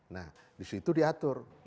nah disitu diatur